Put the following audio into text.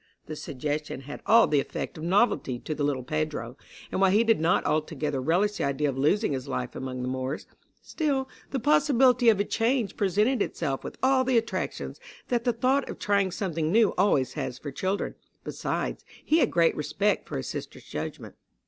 The suggestion had all the effect of novelty to the little Pedro, and while he did not altogether relish the idea of losing his life among the Moors, still the possibility of a change presented itself with all the attractions that the thought of trying something new always has for children. Besides, he had great respect for his sister's judgment.